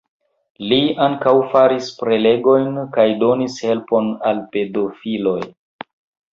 Li ankaŭ faris prelegojn kaj donis helpon al pedofiloj.